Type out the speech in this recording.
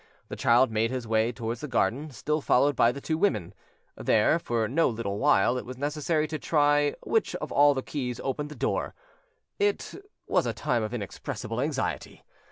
The child made his way towards the garden, still followed by the two women. There, for no little while, it was necessary to try which of all the keys opened the door; it—was a time of inexpressible anxiety.